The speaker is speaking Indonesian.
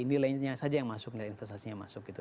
apa nilainya saja yang masuknya investasinya masuk gitu